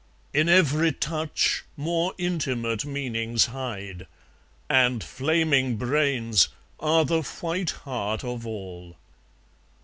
In every touch more intimate meanings hide; And flaming brains are the white heart of all.